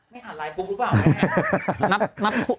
น่ะฮ่ารายพุฟรุ้บเปล่า